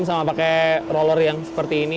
sama pakai roller yang seperti ini